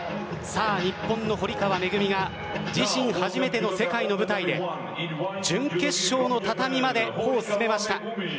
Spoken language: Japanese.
日本の堀川恵が自身初めての世界の舞台で準決勝の畳まで歩を進めました。